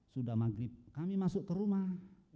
sudah maghrib kami masuk ke rumah